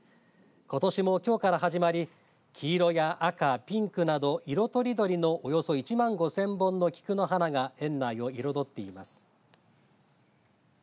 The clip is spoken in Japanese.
ことしも、きょうから始まり黄色や赤、ピンクなど色とりどりの、およそ１万５０００本の菊の花が園内を彩っています。